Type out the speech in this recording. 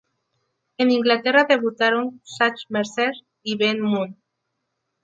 En Inglaterra debutaron Zach Mercer y Ben Moon.